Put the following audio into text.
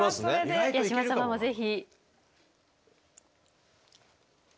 八嶋様もぜひ。